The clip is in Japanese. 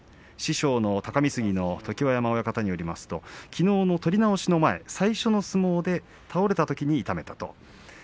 師匠の隆三杉の常盤山親方によりますと、きのうの取り直しの前最初の相撲で倒れたときに痛めたと。